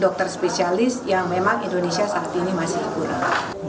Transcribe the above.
dokter spesialis yang memang indonesia saat ini masih hiburan